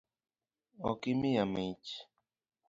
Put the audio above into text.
Ok imiya mich?